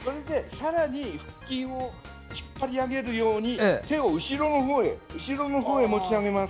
さらに腹筋を引っ張り上げるように手を後ろのほうへ持ち上げます。